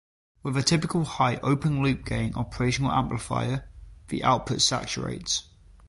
With a typical high open loop gain operational amplifier, the output saturates.